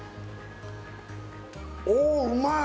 おうまい！